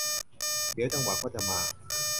เดี๋ยวจังหวะก็จะมา